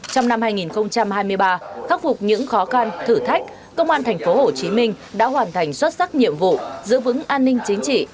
trong năm hai nghìn hai mươi ba khắc phục những khó khăn thử thách công an tp hcm đã hoàn thành xuất sắc nhiệm vụ giữ vững an ninh chính trị